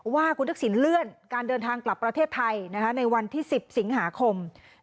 ว่าคุณทักษิณเลื่อนการเดินทางกลับประเทศไทยในวันที่๑๐สิงหาคม